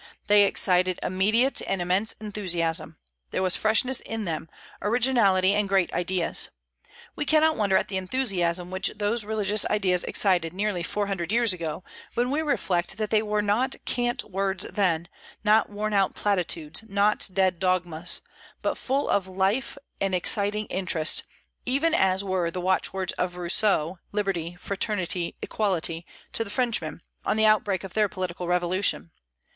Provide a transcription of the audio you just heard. They excited immediate and immense enthusiasm: there was freshness in them, originality, and great ideas. We cannot wonder at the enthusiasm which those religious ideas excited nearly four hundred years ago when we reflect that they were not cant words then, not worn out platitudes, not dead dogmas, but full of life and exciting interest, even as were the watchwords of Rousseau "Liberty, Fraternity, Equality" to Frenchmen, on the outbreak of their political revolution.